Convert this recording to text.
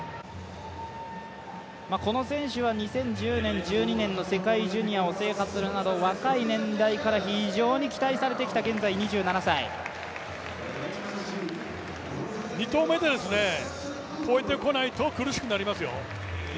この選手は２０１０年、１２年の世界選手権を制覇するなど若い年代から非常に期待されてきた２投目で超えてこないと苦しくなりますよ。